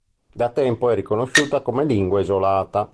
Da tempo è riconosciuta come lingua isolata.